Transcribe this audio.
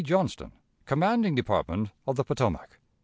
Johnston, _commanding Department of the Potomac.